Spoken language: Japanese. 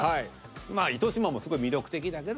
まあ糸島もすごい魅力的だけど。